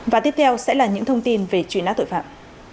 và tiếp theo sẽ là những thông tin về chuyện ác tội phạm